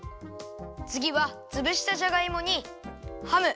つぎはつぶしたじゃがいもにハム。